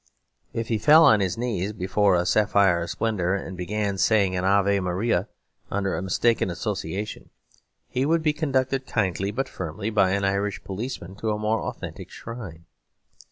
If he fell on his knees before a sapphire splendour, and began saying an Ave Maria under a mistaken association, he would be conducted kindly but firmly by an Irish policeman to a more authentic shrine.